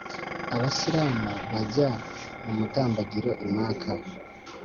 abisilamu bajya mu mutambagiro i maka